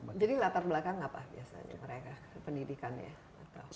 jadi latar belakang apa biasanya mereka pendidikannya